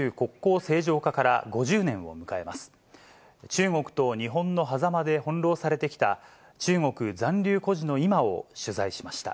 中国と日本のはざまで翻弄されてきた中国残留孤児の今を取材しました。